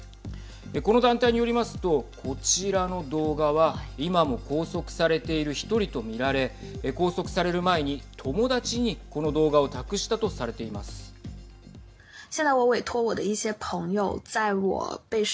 この団体によりますとこちらの動画は今も拘束されている１人と見られ拘束される前に友達にこの動画を託したとされています。